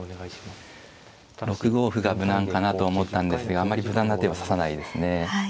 ６五歩が無難かなと思ったんですがあんまり無難な手は指さないですね。